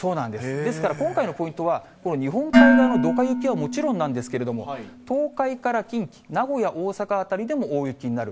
ですから今回のポイントは、日本海側のドカ雪はもちろんなんですけれども、東海から近畿、名古屋、大阪辺りでも大雪になる。